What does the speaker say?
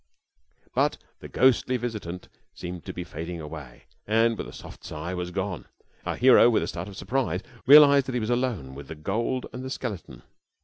"But the ghostly visitant seemed to be fading away, and with a soft sigh was gone. Our hero, with a start of surprise, realised that he was alone with the gold and the skeleton.